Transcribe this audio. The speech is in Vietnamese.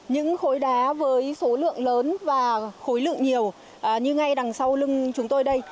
những khối đá với số lượng lớn và khối lượng nhiều như ngay đằng sau lưng chúng tôi đây